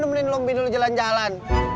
ngapain aku b equilibrium jalan jalan